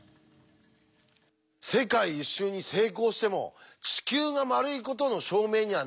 世界一周に成功しても「地球が丸いことの証明にはならない」ってことですよ。